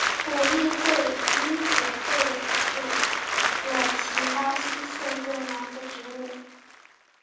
葡议会因此废黜了其巴西摄政王的职务。